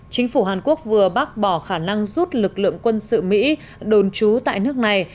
chính phủ hàn quốc vừa bác bỏ khả năng rút lực lượng quân sự mỹ đồn trú tại nước này